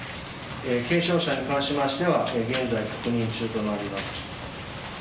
軽傷者に関しましては現在、確認中となります。